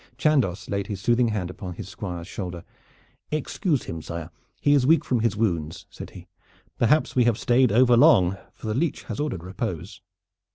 Chandos laid his soothing hand upon his Squire's shoulder. "Excuse him, sire; he is weak from his wounds," said he. "Perhaps we have stayed overlong, for the leech has ordered repose."